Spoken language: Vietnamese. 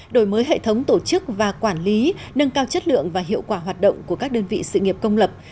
đổi mới hệ thống tổ chức và quản lý nâng cao chất lượng và hiệu quả hoạt động của các đơn vị sự nghiệp công lập